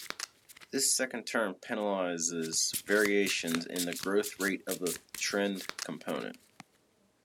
This second term penalizes variations in the growth rate of the trend component.